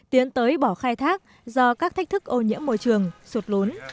tiến tới bỏ khai thác do các thách thức ô nhiễm môi trường sụt lún